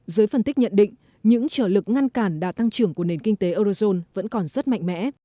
giới phân tích nhận định những trở lực ngăn cản đa tăng trưởng của nền kinh tế eurozone vẫn còn rất mạnh mẽ